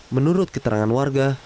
menurut keterangan warga